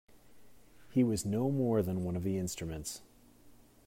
He was no more than one of the instruments.